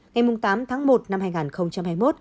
ngày tám tháng một năm hai nghìn hai mươi một